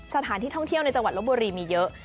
สถานที่ท่องเที่ยวในจังหวัดลบบุรีมีเยอะ